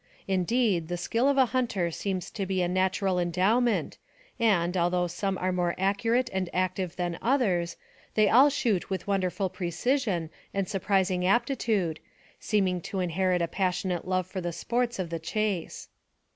Indeed, the skill of a hunter seems to be a natural endowment, and, although some are more accurate and active than others, they all shoot with wonderful precision and surprising aptitude, seem ing to inherit a passionate love for the sports of the chase.